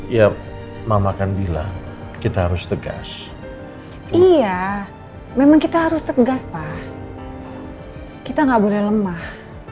ya mama akan bilang kita harus tegas iya memang kita harus tegas pak kita gak boleh lemah